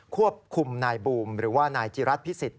ควบคุมนายบูมหรือว่านายจิรัตนพิสิทธ